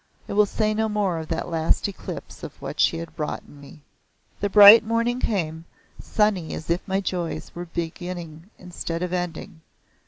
I will say no more of that last eclipse of what she had wrought in me. The bright morning came, sunny as if my joys were beginning instead of ending.